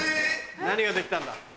何が出来たんだ？